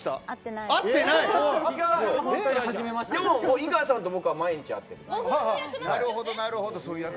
井川さんと僕は毎日会ってる。